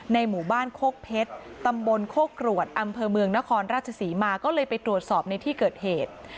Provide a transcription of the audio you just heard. หมู่บ้านโคกเพชรตำบลโคกรวดอำเภอเมืองนครราชศรีมาก็เลยไปตรวจสอบในที่เกิดเหตุ